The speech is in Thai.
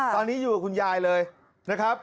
ตอนนี้อยู่กับคุณยายเลยนะครับ